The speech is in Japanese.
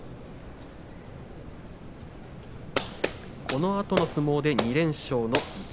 このあとの相撲で２連勝の一